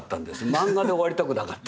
マンガで終わりたくなかった。